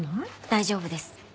大丈夫です。